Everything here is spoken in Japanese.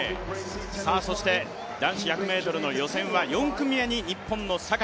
そして、男子１００ｍの予選は４組目に日本の坂井。